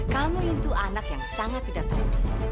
kamu itu anak yang sangat tidak tahu dia